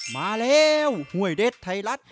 มาแล้วห้วยเด็ดไทยรัฐ